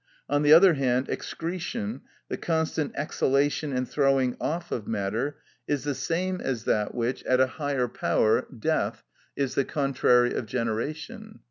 On the other hand, excretion, the constant exhalation and throwing off of matter, is the same as that which, at a higher power, death, is the contrary of generation.